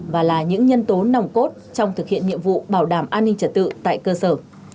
và là những nhân tố nòng cốt trong thực hiện nhiệm vụ bảo đảm an ninh trật tự tại cơ sở